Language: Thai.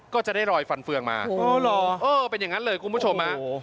ก็จะได้รอยฟันเฟืองมาเป็นอย่างนั้นเลยคุณผู้ชม